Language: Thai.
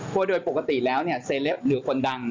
เพราะโดยปกติแล้วเซล็ปหรือคนดัง